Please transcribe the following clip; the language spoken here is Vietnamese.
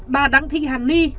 bà đăng thị hàn ni